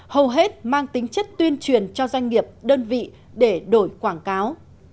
hầu hết mang tính chất tuyên truyền cho doanh nghiệp đơn vị để đổi quảng cáo